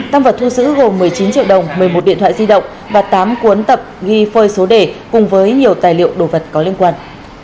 tăng vật thu giữ gồm một mươi chín triệu đồng một mươi một điện thoại di động và tám cuốn tập ghi phơi số đề cùng với nhiều tài liệu đồ vật có liên quan